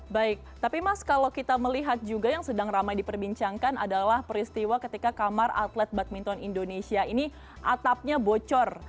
baik tapi mas kalau kita melihat juga yang sedang ramai diperbincangkan adalah peristiwa ketika kamar atlet badminton indonesia ini atapnya bocor